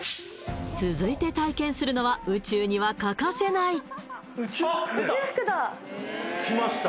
続いて体験するのは宇宙には欠かせない宇宙服だきました